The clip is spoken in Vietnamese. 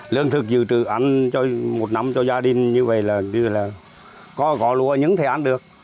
lương thực dự trữ ăn một năm cho gia đình như vậy là có lúa những thế ăn được